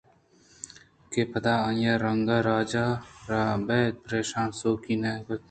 کہ پدا آئیءَرنگ رَجءَ را بِہ پریشانءُ سُوکی نہ کُت